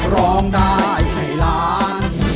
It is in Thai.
ร้องได้ให้ล้าน